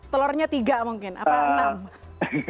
telurnya tiga mungkin apa enam